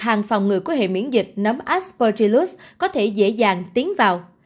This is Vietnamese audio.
hàng phòng người của hệ miễn dịch nấm aspergillus có thể dễ dàng tiến vào